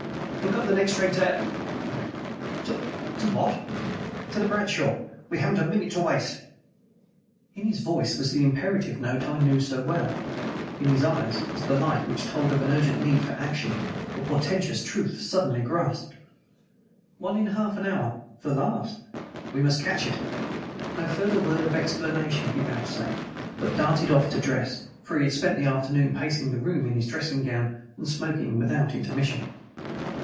"Look up the next train to L !" he rapped. "To L ? What ?" "There's the Bradshaw. We haven't a minute to waste." In his voice was the imperative note I knew so well; in his eyes was the light which told of an urgent need for action a portentous truth suddenly grasped. "One in half an hour the last." "We must catch it." No further word of explanation he vouchsafed, but darted off to dress; for he had spent the afternoon pacing the room in his dressing gown and smoking without intermission.